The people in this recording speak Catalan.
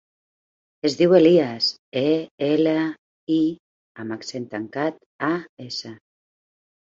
Es diu Elías: e, ela, i amb accent tancat, a, essa.